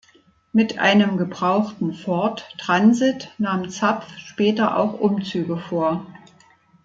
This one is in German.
Mit einem gebrauchten Ford Transit nahm Zapf später auch Umzüge vor.